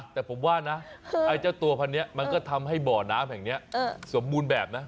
แต่ผมว่านะไอ้เจ้าตัวพันนี้มันก็ทำให้บ่อน้ำแห่งนี้สมบูรณ์แบบนะ